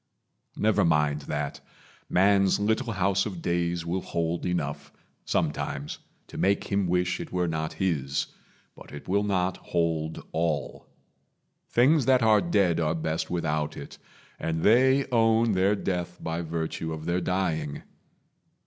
Never mind that. Man's little house of days will hold enough, Sometimes, to make him wish it were not his, But it will not hold all. Things that are dead Are best without it, and they own their death By virtue of their dying.